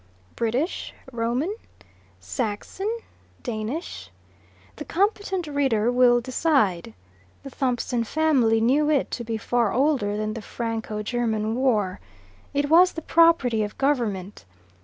British? Roman? Saxon? Danish? The competent reader will decide. The Thompson family knew it to be far older than the Franco German war. It was the property of Government.